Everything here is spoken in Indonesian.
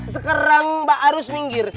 sekarang mbak harus minggir